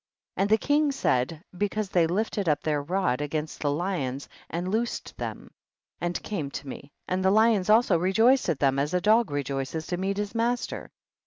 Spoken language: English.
And the king said, because they lifted up their rod against the lions and loosed them, and came to me, and the lions also rejoiced at them as a dog rejoices to meet his master.